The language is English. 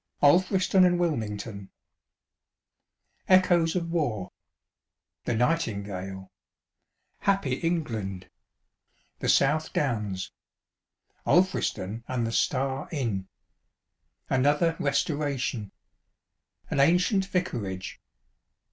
ALFRISTON AND WILMIXGTOK Echoes of War.ŌĆö The Nightingale.ŌĆö "Happy England."ŌĆö The South Downs. ŌĆö Alfriston and the "Star" Inn. ŌĆö Another "Resto ration." ŌĆö An Ancient Vicarage.